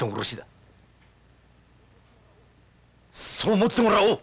そう思ってもらおう！